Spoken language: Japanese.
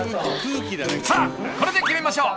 ［さあこれで決めましょ。